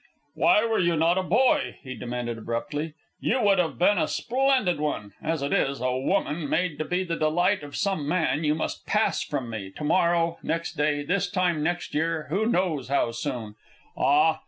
"Why were you not a boy?" he demanded, abruptly. "You would have been a splendid one. As it is, a woman, made to be the delight of some man, you must pass from me to morrow, next day, this time next year, who knows how soon? Ah?